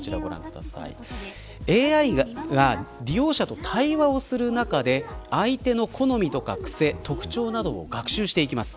ＡＩが利用者と対話する中で相手の好みとかくせ、特徴などを学習してきます。